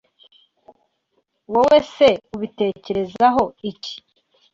Wowe se ubitekerezaho iki?